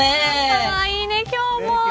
かわいいね、今日も。